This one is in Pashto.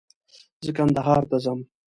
زه کندهار ته ځم